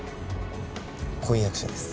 婚約者です。